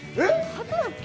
初だっけ？